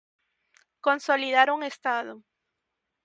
Consolidar un Estado.